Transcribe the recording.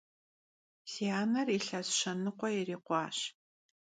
Si aner yilhes şenıkhue yirikhuaş.